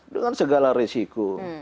dengan segala risiko